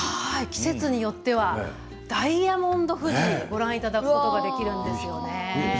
季節によってはダイヤモンド富士をご覧いただくことができるんですよね。